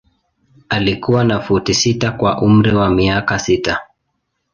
Alikuwa na futi sita kwa umri wa miaka sita.